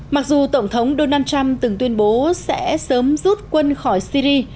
mặc dù tổng thống donald trump từng tuyên bố sẽ sớm rút quân khỏi syri